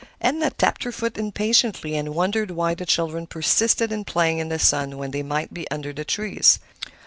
Edna tapped her foot impatiently, and wondered why the children persisted in playing in the sun when they might be under the trees.